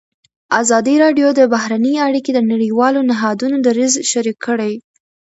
ازادي راډیو د بهرنۍ اړیکې د نړیوالو نهادونو دریځ شریک کړی.